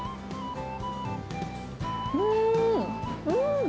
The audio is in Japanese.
うーん、うん！